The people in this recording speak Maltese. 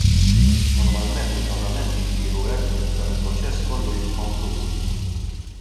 Normalment il-pagamenti jsiru hekk kif dan il-proċess kollu jiġi konkluż.